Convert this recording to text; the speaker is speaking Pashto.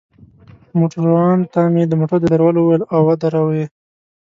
موټروان ته مې د موټر د درولو وویل، او ودروه يې.